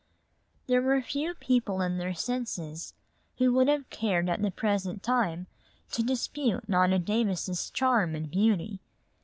There were few people in their senses who would have cared at the present time to dispute Nona Davis' charm and beauty.